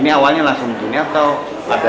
ini awalnya langsung juni atau ada